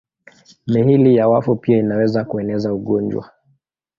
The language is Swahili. Miili ya wafu pia inaweza kueneza ugonjwa.